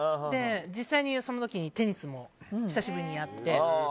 実際にその時テニスも久しぶりにやって。